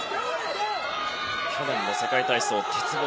去年の世界体操鉄棒